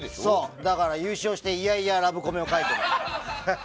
だから優勝していやいや、ラブコメ描いて。